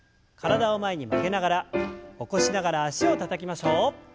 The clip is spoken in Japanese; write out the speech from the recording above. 体を前に曲げながら起こしながら脚をたたきましょう。